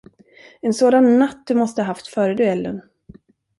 En sådan natt du måste ha haft före duellen!